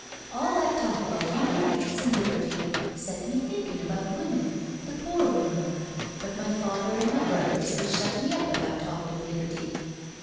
All that talk about human rights and liberty set me thinkin' about women, the poor women — but my father an' my brothers they shut me up if I talked of liberty.